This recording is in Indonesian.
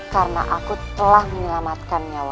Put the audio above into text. karena aku telah menyelamatkan nyawa